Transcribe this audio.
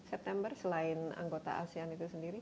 september selain anggota asean itu sendiri